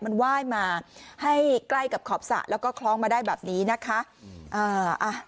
มันไหว้มาให้ใกล้กับขอบสระแล้วก็คล้องมาได้แบบนี้นะคะ